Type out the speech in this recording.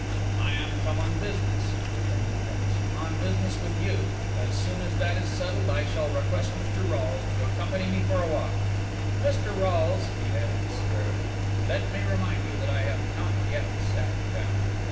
"I am come on business," returned the Prince; "on business with you; as soon as that is settled I shall request Mr. Rolles to accompany me for a walk. Mr. Rolles," he added with severity, "let me remind you that I have not yet sat down."